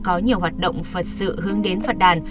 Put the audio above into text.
có nhiều hoạt động phật sự hướng đến phật đàn